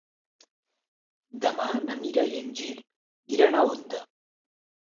Demà na Mira i en Gil iran a Onda.